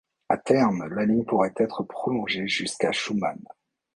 À terme, la ligne pourrait être prolongée jusqu'à Schuman.